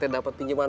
agak luar biasa